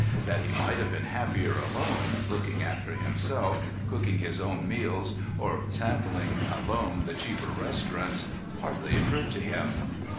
That he might have been happier alone, looking after himself, cooking his own meals or sampling alone the cheaper restaurants, hardly occurred to him.